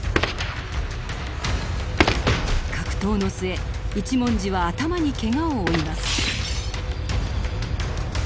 格闘の末一文字は頭にケガを負います。